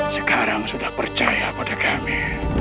sekarang sudah percaya pada kami